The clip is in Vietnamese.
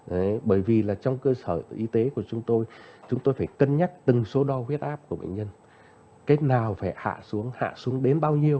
đấy bởi vì là trong cơ sở y tế của chúng tôi chúng tôi phải cân nhắc từng số đo huyết áp của bệnh nhân cách nào phải hạ xuống hạ xuống đến bao nhiêu